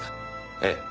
ええ。